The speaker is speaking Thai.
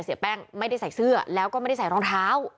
เสียแป้งไม่ได้ใส่เสื้อแล้วก็ไม่ได้ใส่รองเท้า